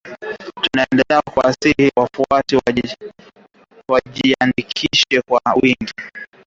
Tunaendelea kuwasihi wafuasi wetu kujiandikisha kwa wingi kupiga kura ili tufikie lengo letu mwaka wa elfu mbili ishirini na tatu ushindi wa kishindo.”